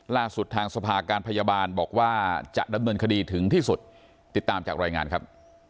ล่าสุดทางสภาการพยาบาลบอกว่าจะดำเนินคดีถึงที่สุดติดตามจากรายงานครับ